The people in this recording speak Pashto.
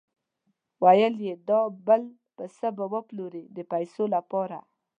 ویل یې دا بل پسه به وپلوري د پیسو لپاره.